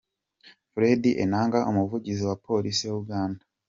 Fred Enanga, Umuvugizi wa Polisi ya Uganda.